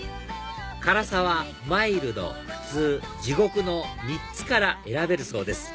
辛さはマイルド普通地獄の３つから選べるそうです